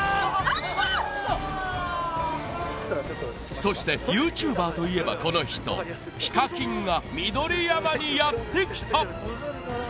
そしてＹｏｕＴｕｂｅｒといえばこの人ＨＩＫＡＫＩＮが緑山にやってきた